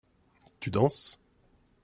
Tu danses ?